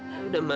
mama mau disini